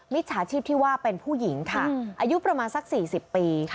จฉาชีพที่ว่าเป็นผู้หญิงค่ะอายุประมาณสัก๔๐ปี